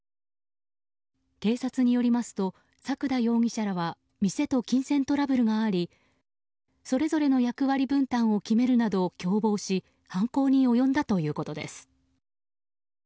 警察によりますと佐久田容疑者らは店と金銭トラブルがありそれぞれの役割分担を決めるなど共謀し犯行に及んだということです。